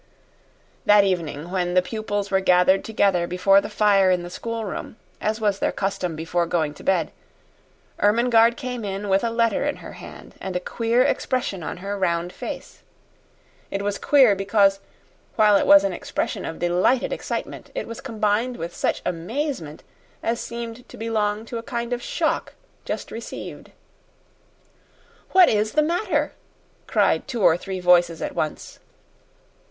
That evening, when the pupils were gathered together before the fire in the schoolroom, as was their custom before going to bed, Ermengarde came in with a letter in her hand and a queer expression on her round face. It was queer because, while it was an expression of delighted excitement, it was combined with such amazement as seemed to belong to a kind of shock just received. "What IS the matter?" cried two or three voices at once.